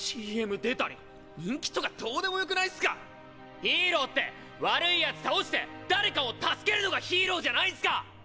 人気とかどうでもよくないすか⁉ヒーローって悪い奴倒して誰かを助けるのがヒーローじゃないんすか！！